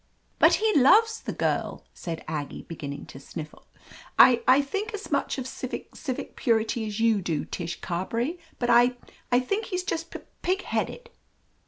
"But he loves the girl," said Aggie, begin ning to sniffle. "I — I think as much of ci — civic purity as you do, Tish Carberry, but I th — think he is just p— pig headed."